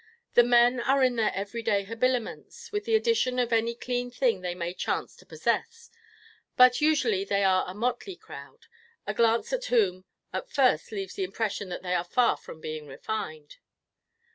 The men are in their everyday habiliments, with the addition of any clean thing they may chance to possess; but, usually they are a motley crowd, a glance at whom at first leaves the impression that they are far from being refined.